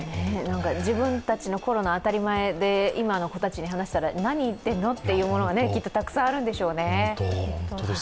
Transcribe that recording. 自分たちのころの当たり前で今の子たちに話したら何言ってんの？というものがきっとたくさんあるんでしょうね。